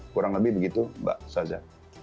kurang lebih begitu mbak saza